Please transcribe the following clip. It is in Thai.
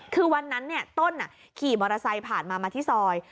คือวันนั้นต้นขี่มอเตอร์ไซค์ผ่านมามาที่ซอย